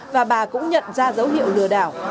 và bà cũng nhận ra dấu hiệu lừa đảo